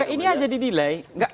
ini aja didilai